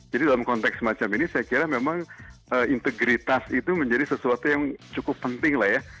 jadi dalam konteks semacam ini saya kira memang integritas itu menjadi sesuatu yang cukup penting lah ya